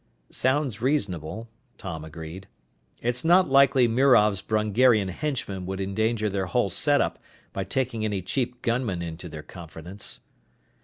"Sounds reasonable," Tom agreed. "It's not likely Mirov's Brungarian henchmen would endanger their whole setup by taking any cheap gunmen into their confidence."